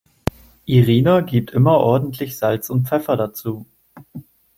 Irina gibt immer ordentlich Salz und Pfeffer dazu.